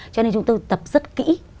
cho nên chúng tôi tập rất kỹ